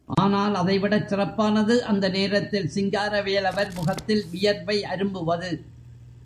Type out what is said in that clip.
ஆனால் அதை விடச் சிறப்பானது, அந்த நேரத்தில் சிங்கார வேலவர் முகத்தில் வியர்வை அரும்புவது.